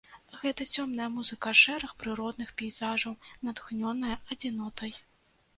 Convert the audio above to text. Гэта цёмная музыка шэрых прыродных пейзажаў, натхнёная адзінотай.